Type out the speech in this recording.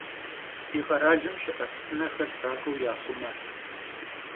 Di kheralım şı'e psınexer sakhıu yaxhume.